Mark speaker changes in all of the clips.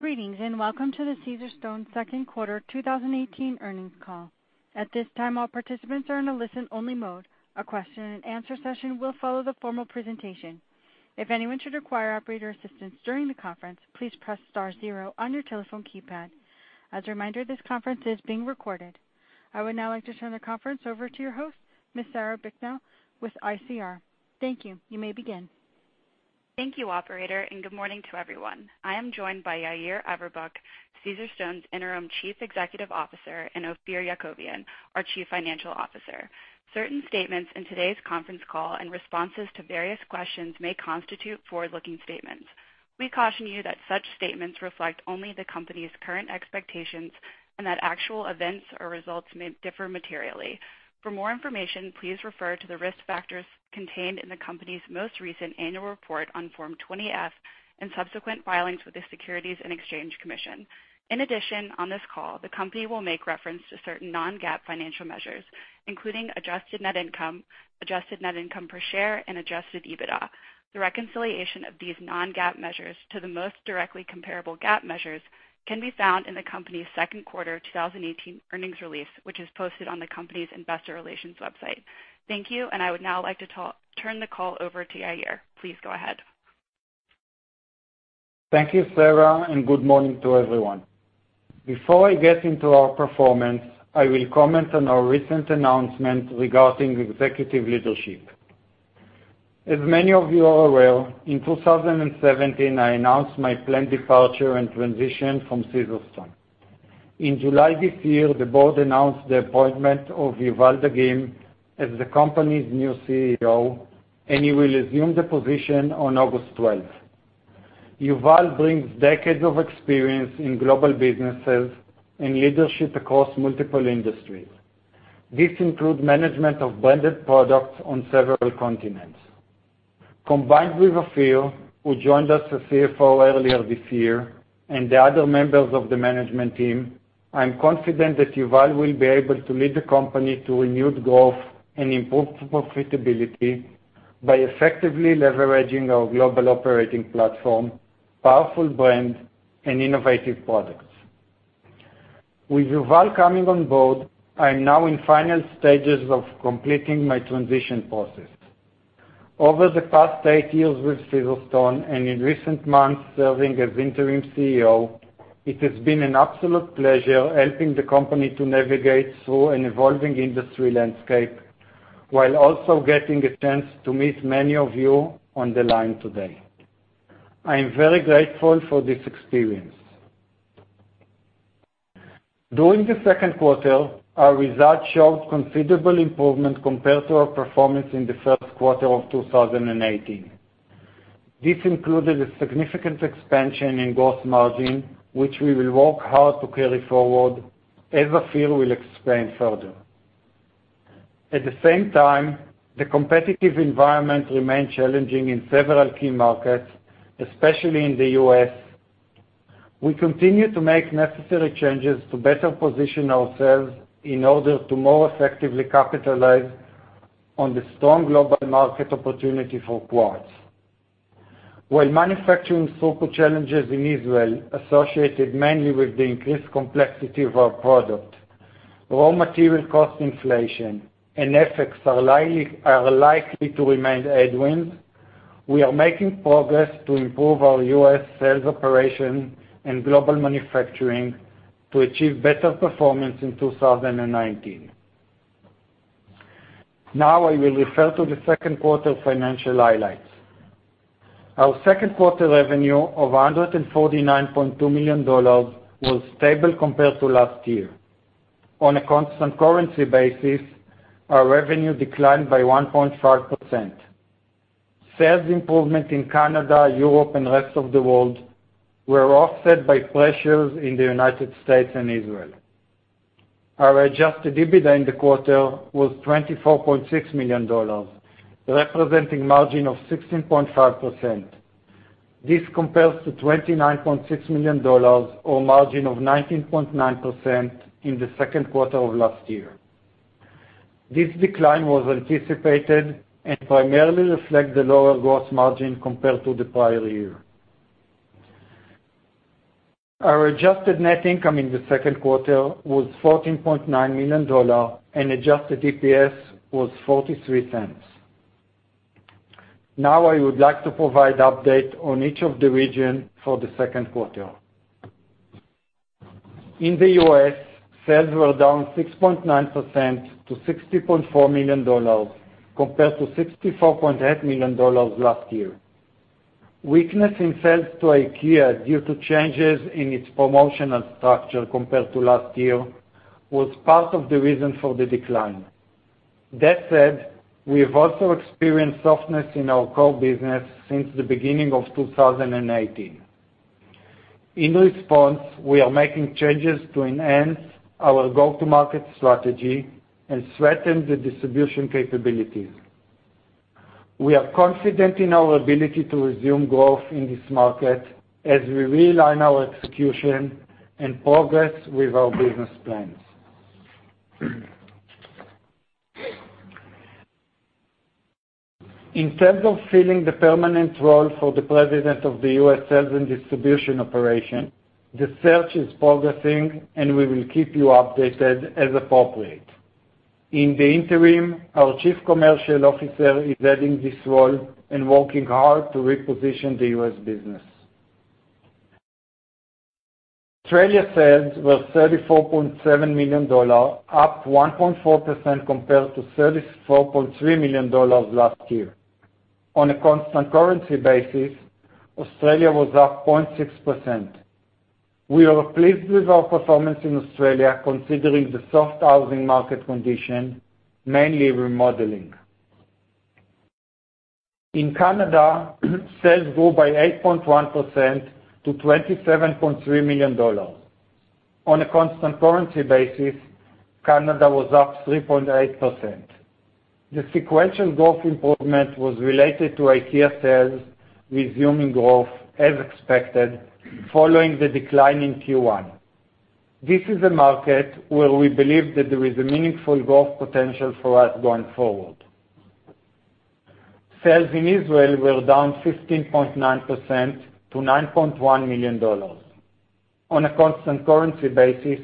Speaker 1: Greetings, and welcome to the Caesarstone second quarter 2018 earnings call. At this time, all participants are in a listen-only mode. A question-and-answer session will follow the formal presentation. If anyone should require operator assistance during the conference, please press star zero on your telephone keypad. As a reminder, this conference is being recorded. I would now like to turn the conference over to your host, Ms. Sarah Bicknell with ICR. Thank you. You may begin.
Speaker 2: Thank you operator. Good morning to everyone. I am joined by Yair Averbuch, Caesarstone's Interim Chief Executive Officer, and Ophir Yakovian, our Chief Financial Officer. Certain statements in today's conference call and responses to various questions may constitute forward-looking statements. We caution you that such statements reflect only the company's current expectations and that actual events or results may differ materially. For more information, please refer to the risk factors contained in the company's most recent annual report on Form 20-F and subsequent filings with the Securities and Exchange Commission. In addition, on this call, the company will make reference to certain non-GAAP financial measures, including adjusted net income, adjusted net income per share, and adjusted EBITDA. The reconciliation of these non-GAAP measures to the most directly comparable GAAP measures can be found in the company's second quarter 2018 earnings release, which is posted on the company's investor relations website. Thank you. I would now like to turn the call over to Yair. Please go ahead.
Speaker 3: Thank you, Sarah. Good morning to everyone. Before I get into our performance, I will comment on our recent announcement regarding executive leadership. As many of you are aware, in 2017, I announced my planned departure and transition from Caesarstone. In July this year, the board announced the appointment of Yuval Dagim as the company's new CEO, and he will assume the position on August 12th. Yuval brings decades of experience in global businesses and leadership across multiple industries. This includes management of branded products on several continents. Combined with Ophir, who joined us as CFO earlier this year, and the other members of the management team, I'm confident that Yuval will be able to lead the company to renewed growth and improved profitability by effectively leveraging our global operating platform, powerful brand, and innovative products. With Yuval coming on board, I am now in final stages of completing my transition process. Over the past eight years with Caesarstone and in recent months serving as interim CEO, it has been an absolute pleasure helping the company to navigate through an evolving industry landscape while also getting a chance to meet many of you on the line today. I am very grateful for this experience. During the second quarter, our results showed considerable improvement compared to our performance in the first quarter of 2018. This included a significant expansion in gross margin, which we will work hard to carry forward, as Ophir will explain further. At the same time, the competitive environment remained challenging in several key markets, especially in the U.S. We continue to make necessary changes to better position ourselves in order to more effectively capitalize on the strong global market opportunity for quartz. While manufacturing throughput challenges in Israel associated mainly with the increased complexity of our product, raw material cost inflation, and FX are likely to remain headwinds, we are making progress to improve our U.S. sales operation and global manufacturing to achieve better performance in 2019. I will refer to the second quarter financial highlights. Our second quarter revenue of $149.2 million was stable compared to last year. On a constant currency basis, our revenue declined by 1.5%. Sales improvement in Canada, Europe, and rest of the world were offset by pressures in the United States and Israel. Our adjusted EBITDA in the quarter was $24.6 million, representing margin of 16.5%. This compares to $29.6 million or margin of 19.9% in the second quarter of last year. This decline was anticipated and primarily reflects the lower gross margin compared to the prior year. Our adjusted net income in the second quarter was $14.9 million, and adjusted EPS was $0.43. I would like to provide update on each of the region for the second quarter. In the U.S., sales were down 6.9% to $60.4 million, compared to $64.8 million last year. Weakness in sales to IKEA due to changes in its promotional structure compared to last year was part of the reason for the decline. That said, we have also experienced softness in our core business since the beginning of 2018. In response, we are making changes to enhance our go-to-market strategy and strengthen the distribution capabilities. We are confident in our ability to resume growth in this market as we realign our execution and progress with our business plans. In terms of filling the permanent role for the president of the U.S. sales and distribution operation, the search is progressing, and we will keep you updated as appropriate. In the interim, our Chief Commercial Officer is adding this role and working hard to reposition the U.S. business. Australia sales were $34.7 million, up 1.4% compared to $34.3 million last year. On a constant currency basis, Australia was up 0.6%. We are pleased with our performance in Australia considering the soft housing market condition, mainly remodeling. In Canada, sales grew by 8.1% to $27.3 million. On a constant currency basis, Canada was up 3.8%. The sequential growth improvement was related to IKEA sales resuming growth as expected following the decline in Q1. This is a market where we believe that there is a meaningful growth potential for us going forward. Sales in Israel were down 15.9% to $9.1 million. On a constant currency basis,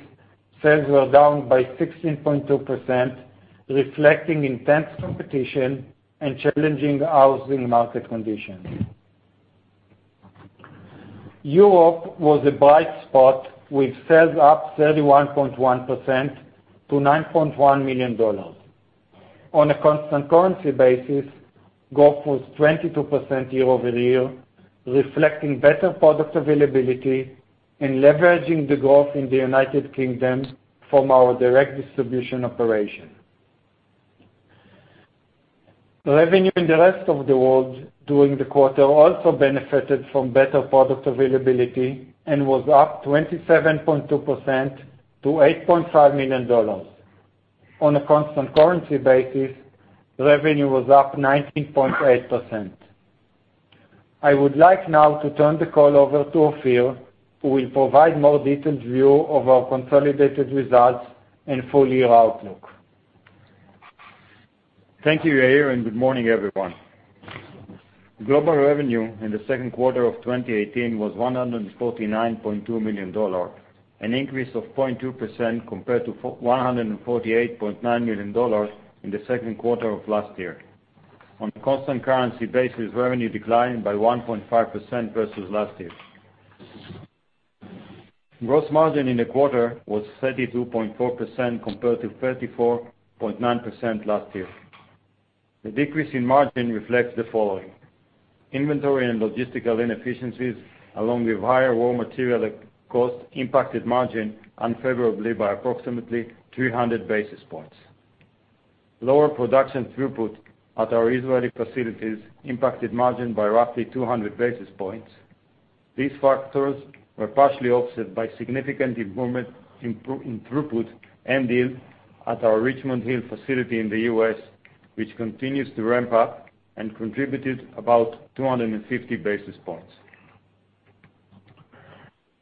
Speaker 3: sales were down by 16.2%, reflecting intense competition and challenging housing market conditions. Europe was a bright spot with sales up 31.1% to $9.1 million. On a constant currency basis, growth was 22% year-over-year, reflecting better product availability and leveraging the growth in the United Kingdom from our direct distribution operation. Revenue in the rest of the world during the quarter also benefited from better product availability and was up 27.2% to $8.5 million. On a constant currency basis, revenue was up 19.8%. I would like now to turn the call over to Ophir, who will provide more detailed view of our consolidated results and full-year outlook.
Speaker 4: Thank you, Yair, and good morning, everyone. Global revenue in the second quarter of 2018 was $149.2 million, an increase of 0.2% compared to $148.9 million in the second quarter of last year. On a constant currency basis, revenue declined by 1.5% versus last year. Gross margin in the quarter was 32.4% compared to 34.9% last year. The decrease in margin reflects the following. Inventory and logistical inefficiencies, along with higher raw material cost impacted margin unfavorably by approximately 300 basis points. Lower production throughput at our Israeli facilities impacted margin by roughly 200 basis points. These factors were partially offset by significant improvement in throughput and yield at our Richmond Hill facility in the U.S., which continues to ramp up and contributed about 250 basis points.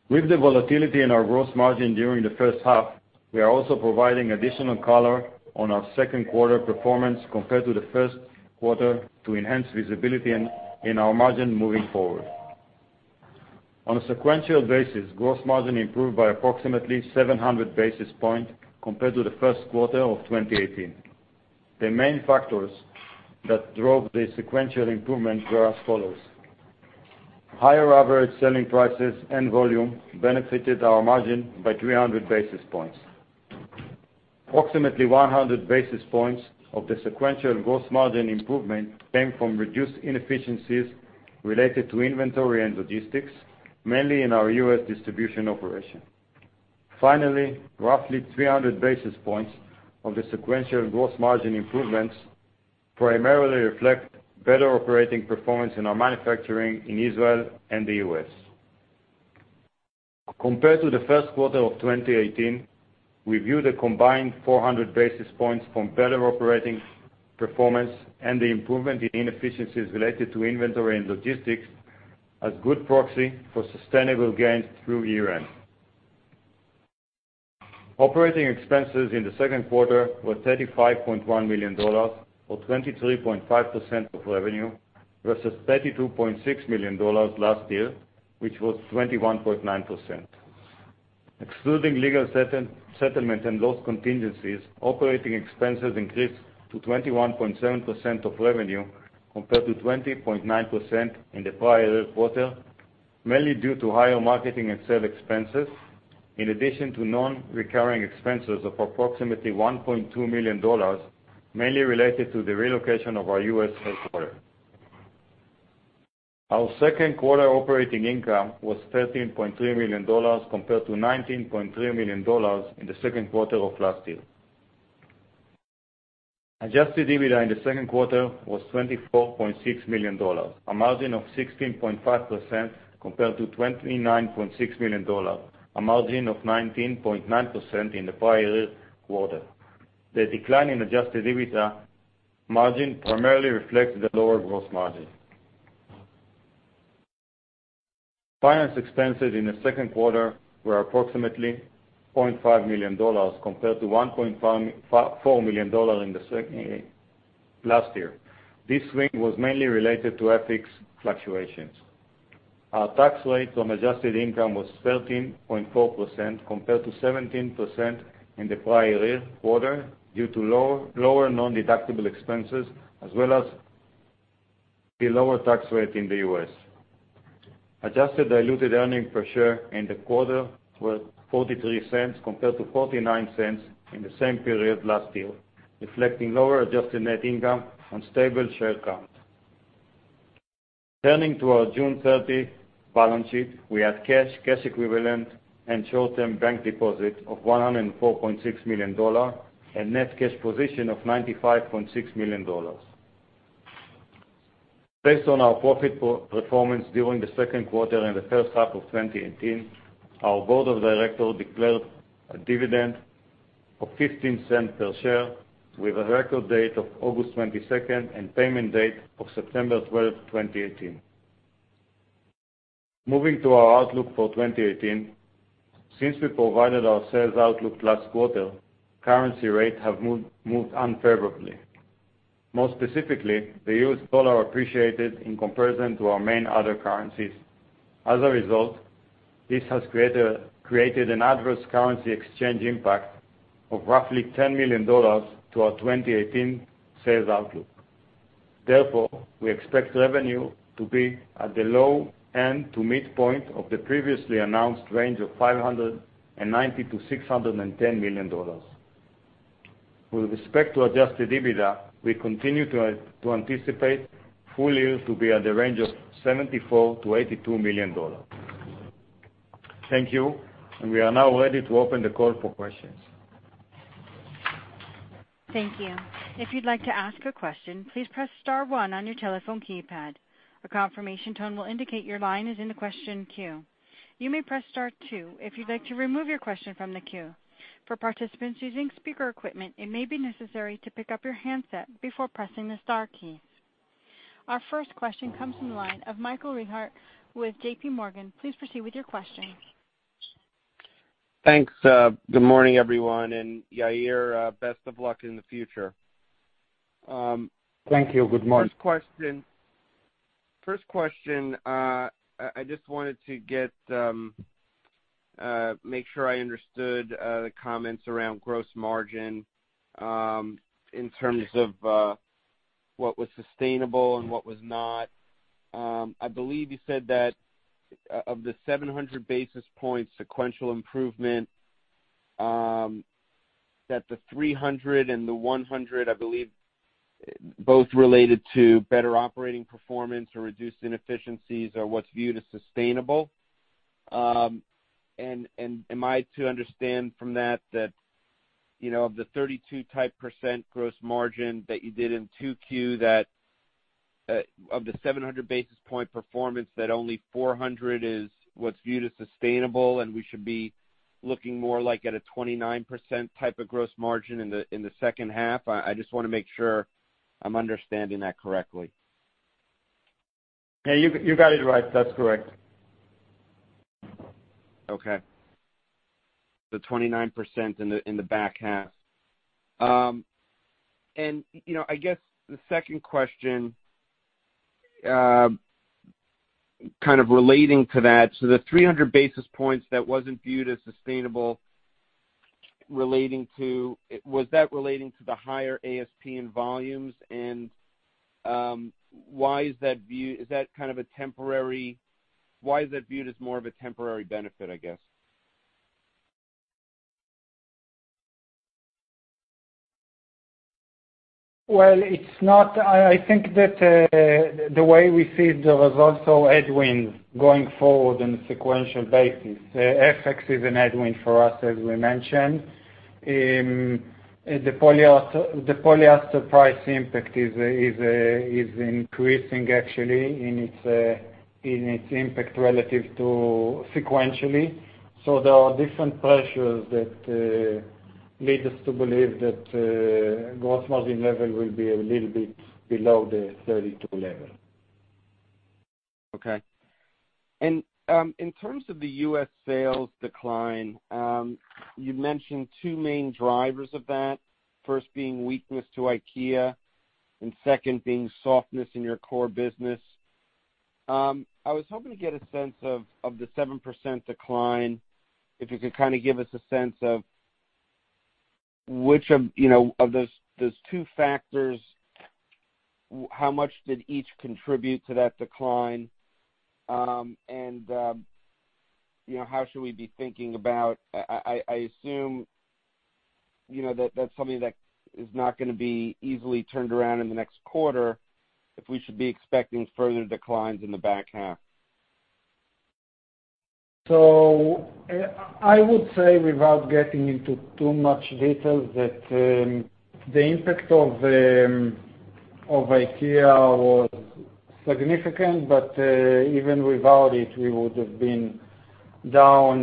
Speaker 4: With the volatility in our gross margin during the first half, we are also providing additional color on our second quarter performance compared to the first quarter to enhance visibility in our margin moving forward. On a sequential basis, gross margin improved by approximately 700 basis points compared to the first quarter of 2018. The main factors that drove the sequential improvement were as follows. Higher average selling prices and volume benefited our margin by 300 basis points. Approximately 100 basis points of the sequential gross margin improvement came from reduced inefficiencies related to inventory and logistics, mainly in our U.S. distribution operation. Finally, roughly 300 basis points of the sequential gross margin improvements primarily reflect better operating performance in our manufacturing in Israel and the U.S. Compared to the first quarter of 2018, we view the combined 400 basis points from better operating performance and the improvement in inefficiencies related to inventory and logistics as good proxy for sustainable gains through year-end. Operating expenses in the second quarter were $35.1 million, or 23.5% of revenue, versus $32.6 million last year, which was 21.9%. Excluding legal settlement and loss contingencies, operating expenses increased to 21.7% of revenue, compared to 20.9% in the prior quarter, mainly due to higher marketing and sale expenses, in addition to non-recurring expenses of approximately $1.2 million, mainly related to the relocation of our U.S. headquarters. Our second quarter operating income was $13.3 million, compared to $19.3 million in the second quarter of last year. Adjusted EBITDA in the second quarter was $24.6 million, a margin of 16.5%, compared to $29.6 million, a margin of 19.9% in the prior quarter. The decline in adjusted EBITDA margin primarily reflects the lower gross margin. Finance expenses in the second quarter were approximately $0.5 million compared to $1.4 million in the last year. This swing was mainly related to FX fluctuations. Our tax rate on adjusted income was 13.4% compared to 17% in the prior year quarter, due to lower non-deductible expenses as well as the lower tax rate in the U.S. Adjusted diluted earnings per share in the quarter was $0.43 compared to $0.49 in the same period last year, reflecting lower adjusted net income on stable share count. Turning to our June 30 balance sheet, we had cash equivalent, and short-term bank deposits of $104.6 million, a net cash position of $95.6 million. Based on our profit performance during the second quarter and the first half of 2018, our board of directors declared a dividend of $0.15 per share with a record date of August 22nd and payment date of September 12, 2018. Moving to our outlook for 2018, since we provided our sales outlook last quarter, currency rates have moved unfavorably. More specifically, the U.S. dollar appreciated in comparison to our main other currencies. As a result, this has created an adverse currency exchange impact of roughly $10 million to our 2018 sales outlook. Therefore, we expect revenue to be at the low end to midpoint of the previously announced range of $590 million-$610 million. With respect to adjusted EBITDA, we continue to anticipate full year to be at the range of $74 million-$82 million. Thank you. We are now ready to open the call for questions.
Speaker 1: Thank you. If you'd like to ask a question, please press *1 on your telephone keypad. A confirmation tone will indicate your line is in the question queue. You may press *2 if you'd like to remove your question from the queue. For participants using speaker equipment, it may be necessary to pick up your handset before pressing the star key. Our first question comes from the line of Michael Rehaut with JPMorgan. Please proceed with your question.
Speaker 5: Thanks. Good morning, everyone. Yair, best of luck in the future.
Speaker 3: Thank you. Good morning.
Speaker 5: First question, I just wanted to make sure I understood the comments around gross margin, in terms of what was sustainable and what was not. I believe you said that of the 700 basis points sequential improvement, that the 300 and the 100, I believe, both related to better operating performance or reduced inefficiencies are what's viewed as sustainable. Am I to understand from that of the 32-type% gross margin that you did in 2Q, that of the 700 basis point performance, that only 400 is what's viewed as sustainable and we should be looking more like at a 29% type of gross margin in the second half? I just want to make sure I'm understanding that correctly.
Speaker 4: Yeah, you got it right. That's correct.
Speaker 5: Okay. 29% in the back half. I guess the second question, kind of relating to that, the 300 basis points that wasn't viewed as sustainable, was that relating to the higher ASP in volumes and why is that viewed as more of a temporary benefit, I guess?
Speaker 4: Well, I think that the way we see there was also headwind going forward on a sequential basis. FX is a headwind for us, as we mentioned. The polyester price impact is increasing actually in its impact relative to sequentially. There are different pressures that lead us to believe that gross margin level will be a little bit below the 32 level.
Speaker 5: Okay. In terms of the U.S. sales decline, you mentioned two main drivers of that, first being weakness to IKEA and second being softness in your core business. I was hoping to get a sense of the 7% decline. If you could kind of give us a sense of those two factors, how much did each contribute to that decline? How should we be thinking about-- I assume that's something that is not going to be easily turned around in the next quarter, if we should be expecting further declines in the back half.
Speaker 4: I would say, without getting into too much details, that the impact of IKEA was significant, but even without it, we would've been
Speaker 3: Down.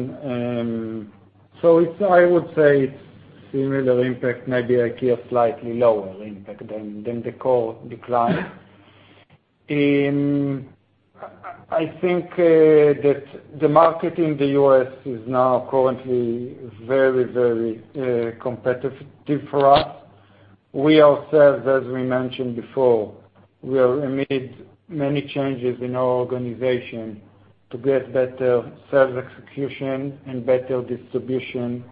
Speaker 3: I would say it's similar impact, maybe IKEA slightly lower impact than the core decline. I think that the market in the U.S. is now currently very competitive for us. We ourselves, as we mentioned before, we are amid many changes in our organization to get better sales execution and better distribution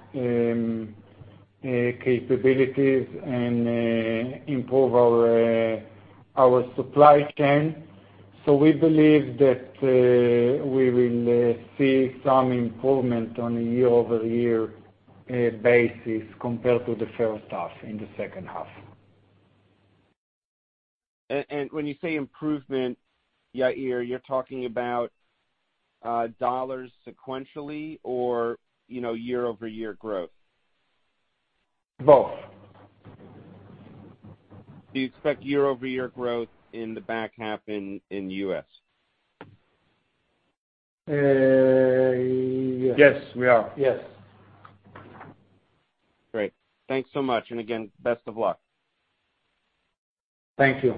Speaker 3: capabilities and improve our supply chain. We believe that we will see some improvement on a year-over-year basis compared to the first half in the second half.
Speaker 5: When you say improvement, Yair, you're talking about dollars sequentially or year-over-year growth?
Speaker 3: Both.
Speaker 5: Do you expect year-over-year growth in the back half in U.S.?
Speaker 3: Yes, we are. Yes.
Speaker 5: Great. Thanks so much, and again, best of luck.
Speaker 3: Thank you.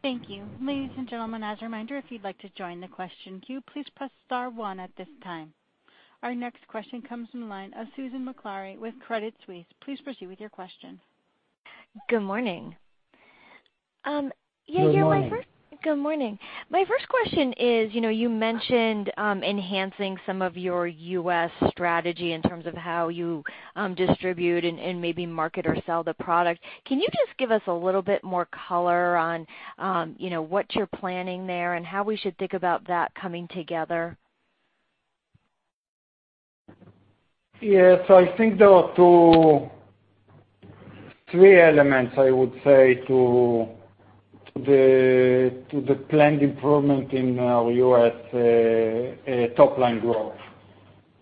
Speaker 1: Thank you. Ladies and gentlemen, as a reminder, if you'd like to join the question queue, please press star one at this time. Our next question comes from the line of Susan Maklari with Credit Suisse. Please proceed with your question.
Speaker 6: Good morning.
Speaker 3: Good morning.
Speaker 6: Good morning. My first question is, you mentioned enhancing some of your U.S. strategy in terms of how you distribute and maybe market or sell the product. Can you just give us a little bit more color on what you're planning there and how we should think about that coming together?
Speaker 3: I think there are two, three elements, I would say, to the planned improvement in our U.S. top-line growth.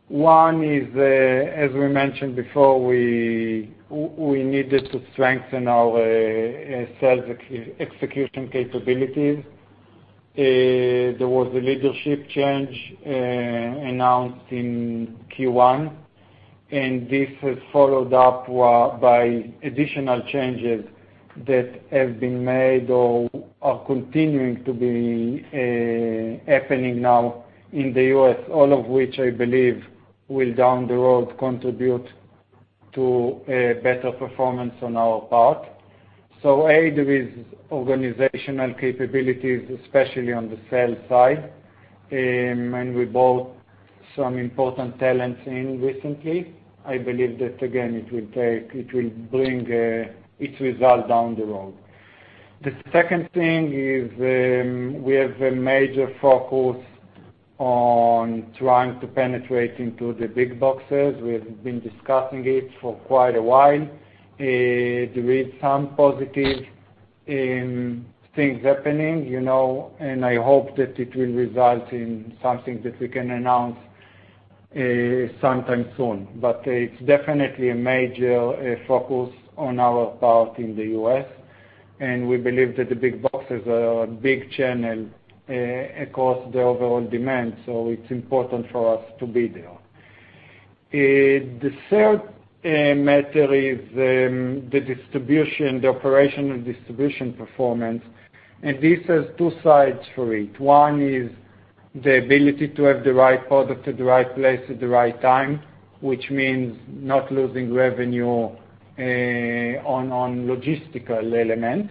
Speaker 3: One is, as we mentioned before, we needed to strengthen our sales execution capabilities. There was a leadership change announced in Q1. This has followed up by additional changes that have been made or are continuing to be happening now in the U.S., all of which I believe will down the road contribute to a better performance on our part. A, there is organizational capabilities, especially on the sales side, and we brought some important talents in recently. I believe that, again, it will bring its result down the road. The second thing is, we have a major focus on trying to penetrate into the big boxes. We have been discussing it for quite a while. There is some positive things happening. I hope that it will result in something that we can announce sometime soon. It's definitely a major focus on our part in the U.S., and we believe that the big boxes are a big channel across the overall demand, so it's important for us to be there. The third matter is the distribution, the operational distribution performance. This has two sides for it. One is the ability to have the right product at the right place at the right time, which means not losing revenue on logistical element.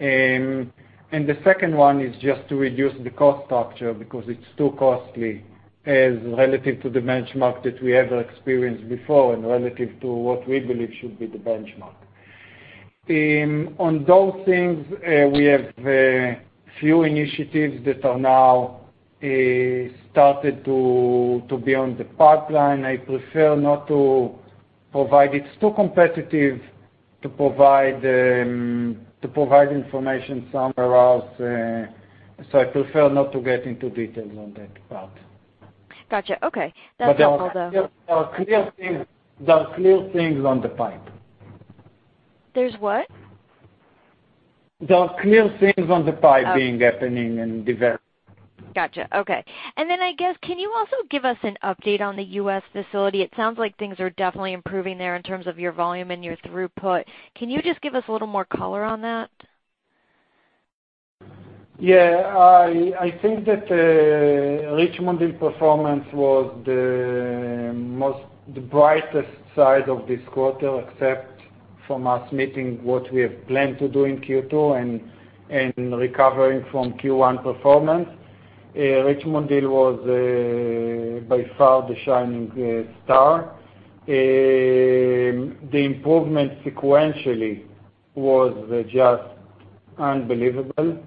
Speaker 3: The second one is just to reduce the cost structure because it's too costly as relative to the benchmark that we ever experienced before and relative to what we believe should be the benchmark. On those things, we have a few initiatives that are now started to be on the pipeline. I prefer not to provide. It's too competitive to provide information somewhere else. I prefer not to get into details on that part.
Speaker 6: Got you. Okay. That's helpful, though.
Speaker 3: There are clear things on the pipe.
Speaker 6: There's what?
Speaker 3: There are clear things on the pipe being happening and developing.
Speaker 6: Got you. Okay. I guess, can you also give us an update on the U.S. facility? It sounds like things are definitely improving there in terms of your volume and your throughput. Can you just give us a little more color on that?
Speaker 3: Yeah. I think that Richmond in performance was the brightest side of this quarter, except from us meeting what we have planned to do in Q2 and recovering from Q1 performance. Richmond was by far the shining star. The improvement sequentially was just unbelievable,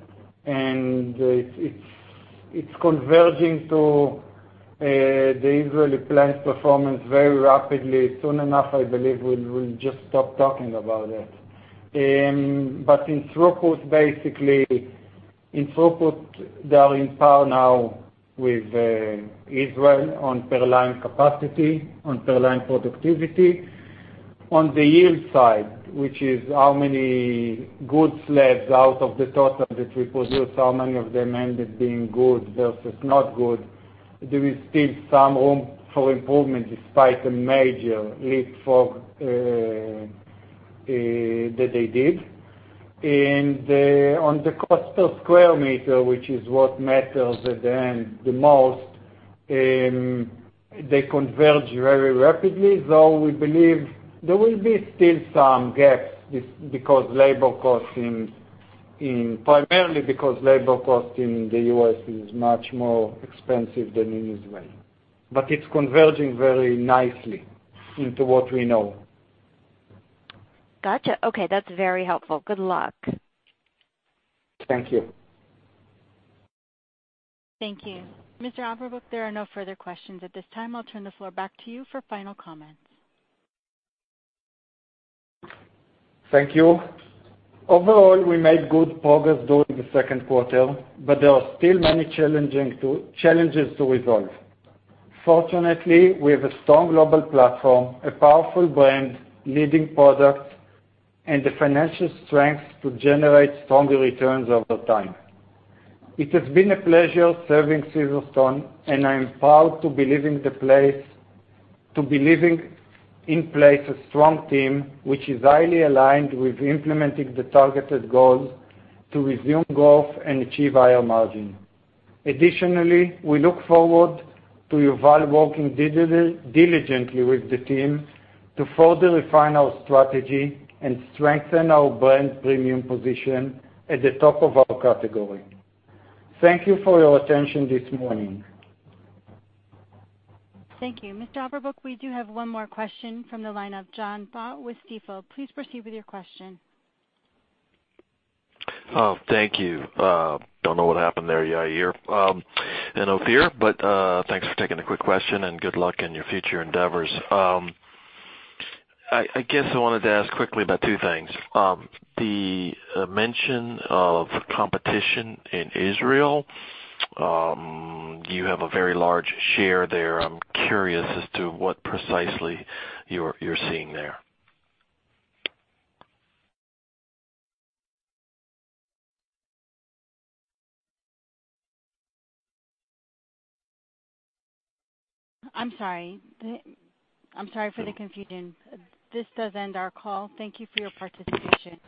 Speaker 3: and it's converging to the Israeli plant's performance very rapidly. Soon enough, I believe we'll just stop talking about it. In throughput, basically, they are on par now with Israel on per line capacity, on per line productivity. On the yield side, which is how many good slabs out of the total that we produce, how many of them ended being good versus not good, there is still some room for improvement despite the major leapfrog that they did. On the cost per square meter, which is what matters at the end the most, they converge very rapidly, though we believe there will be still some gaps, primarily because labor cost in the U.S. is much more expensive than in Israel. It's converging very nicely into what we know.
Speaker 6: Got you. Okay. That's very helpful. Good luck.
Speaker 3: Thank you.
Speaker 1: Thank you. Mr. Averbuch, there are no further questions at this time. I'll turn the floor back to you for final comments.
Speaker 3: Thank you. Overall, we made good progress during the second quarter, but there are still many challenges to resolve. Fortunately, we have a strong global platform, a powerful brand, leading products, and the financial strength to generate stronger returns over time. It has been a pleasure serving Caesarstone, and I am proud to be leaving in place a strong team, which is highly aligned with implementing the targeted goals to resume growth and achieve higher margin. Additionally, we look forward to Yuval working diligently with the team to further refine our strategy and strengthen our brand premium position at the top of our category. Thank you for your attention this morning.
Speaker 1: Thank you. Mr. Averbuch, we do have one more question from the line of John Baugh with Stifel. Please proceed with your question.
Speaker 7: Thank you. Don't know what happened there, Yair and Ophir, thanks for taking a quick question and good luck in your future endeavors. I guess I wanted to ask quickly about two things. The mention of competition in Israel. You have a very large share there. I'm curious as to what precisely you're seeing there.
Speaker 1: I'm sorry for the confusion. This does end our call. Thank you for your participation.